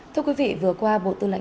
thưa quý vị vừa qua bộ tư lãnh các